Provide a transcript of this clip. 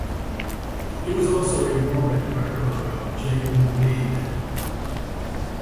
He was also a warm admirer of Jane Lead.